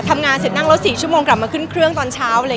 ทำงานเสร็จนั่งรถ๔ชั่วโมงกลับมาขึ้นเครื่องตอนเช้า